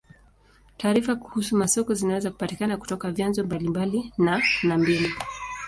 Taarifa kuhusu masoko zinaweza kupatikana kutoka vyanzo mbalimbali na na mbinu.